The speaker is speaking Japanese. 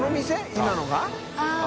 今のが？